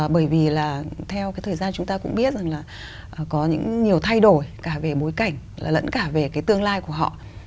bởi vì là theo cái thời gian chúng ta cũng biết rằng là có những nhiều thay đổi cả về bối cảnh là lẫn cả về cái tương lai của họ